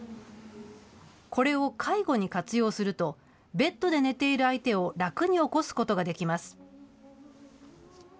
これを介護に活用すると、ベッドで寝ている相手を楽に起こすことができます。